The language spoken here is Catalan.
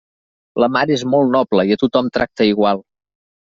La mar és molt noble i a tothom tracta igual.